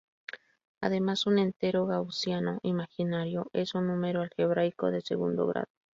Además un entero gaussiano imaginario es un número algebraico de segundo grado.